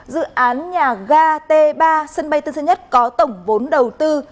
dự án nhà ga t ba sân bay tân sơn nhất có tổng vốn đầu tư